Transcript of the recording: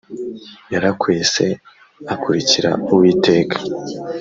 yarakwese akurikira uwiteka,